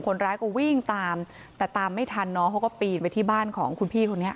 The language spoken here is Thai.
คนร้ายก็วิ่งตามแต่ตามไม่ทันน้องเขาก็ปีนไปที่บ้านของคุณพี่คนนี้